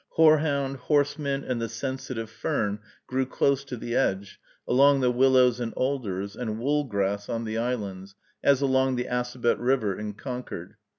Horehound, horse mint, and the sensitive fern grew close to the edge, under the willows and alders, and wool grass on the islands, as along the Assabet River in Concord.